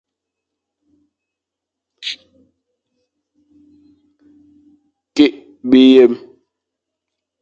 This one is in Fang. Kikh biyem.